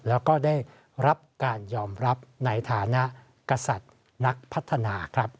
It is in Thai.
แล้วก็ได้รับการยอมรับในฐานะกษัตริย์นักพัฒนาครับ